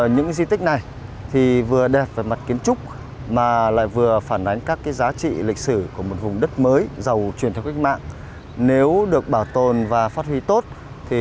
những di tích này thì vừa đẹp về mặt kiến trúc mà lại vừa phản ánh các giá trị lịch sử của một vùng đất mới giàu truyền theo quý vị